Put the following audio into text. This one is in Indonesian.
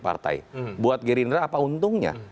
partai buat gerindra apa untungnya